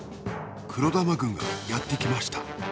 黒玉軍がやってきました。